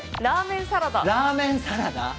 ラーメンサラダラーメンサラダ？